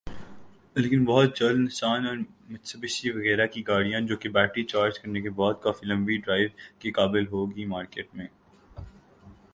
لیکن بہت جلد نسان اور میٹسوبشی وغیرہ کی گاڑیاں جو کہ بیٹری چارج کرنے کے بعد کافی لمبی ڈرائیو کے قابل ہوں گی مارکیٹ میں